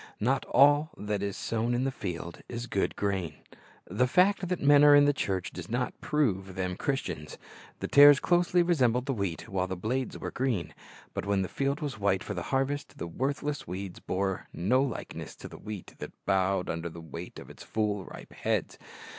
Not all that is sown in the field is good grain. The fact that men are in the church does not prove them Christians. The tares closely resembled the wheat while the blades were green ; but when the field was white for the harvest, the worthless weeds bore no likeness to the wheat that bowed under the weight of its full, ripe heads.